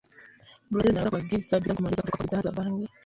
i za Brazil zinaweza kuagiza bidhaa za kumaliza kutoka kwa bidhaa za bangi